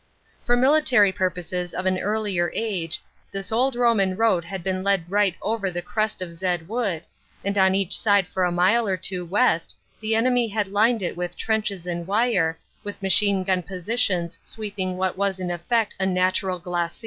For military purposes of an earlier age this old Roman road had been led right over the crest of Zed Wood, and on each side for a mile or two west the enemy had lined it with trenches and wire, with machine gun positions sweeping what was in effect a natural glacis.